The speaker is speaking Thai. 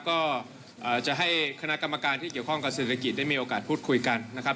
ก็จะให้คณะกรรมการที่เกี่ยวข้องกับเศรษฐกิจได้มีโอกาสพูดคุยกันนะครับ